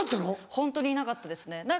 ホントにいなかったですね。